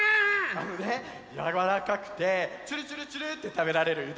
あのねやわらかくてちゅるちゅるちゅるってたべられるう